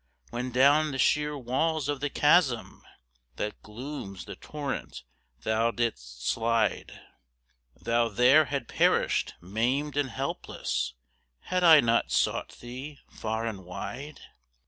When down the sheer walls of the chasm That glooms the torrent thou didst slide, Thou there had perished maimed and helpless Had I not sought thee far and wide.